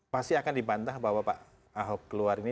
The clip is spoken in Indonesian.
pasti akan dibantah bahwa pak ahok keluar ini